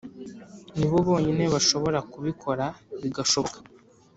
ni bo bonyine bashobora kubikora bigashoboka